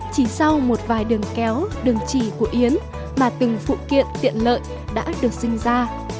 chỉ sau một vài đường kéo đường chỉ của yến mà từng phụ kiện tiện lợi đã được sinh ra